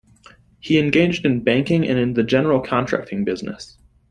He engaged in banking and in the general contracting business.